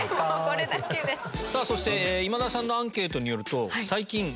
これだけで⁉そして今田さんのアンケートによると。